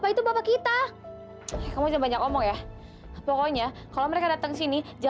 itu kak biayanya untuk sekolah kakak saya